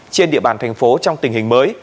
trên địa bàn thành phố trong tình hình mới